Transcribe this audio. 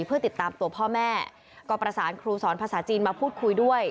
เพื่อติดตามตัวพ่อแม่ก็ประสานครูสอนภาษาจีนมาพูดคุยด้วย